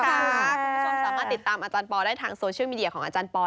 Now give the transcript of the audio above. คุณผู้ชมสามารถติดตามอาจารย์ปอลได้ทางโซเชียลมีเดียของอาจารย์ปอล